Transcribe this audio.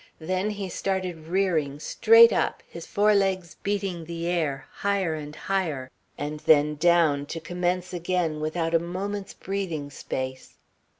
Then he started rearing, straight up, his forelegs beating the air, higher and higher, and then down, to commence again without a moment's breathing space.